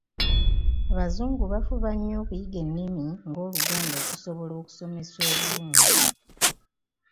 Abazungu bafuba nnyo okuyiga ennimi nga Oluganda okusobola okusomesa obulungi.